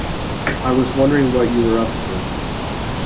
I was wondering what you were up to.